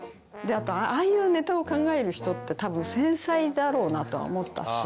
あとああいうネタを考える人って多分繊細だろうなとは思ったし。